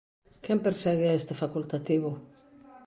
Quen persegue a este facultativo?